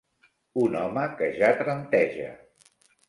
Un home que ja trenteja.